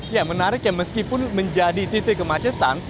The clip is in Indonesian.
ya menarik ya meskipun menjadi titik kemacetan